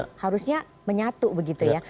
sebenarnya menyatu begitu ya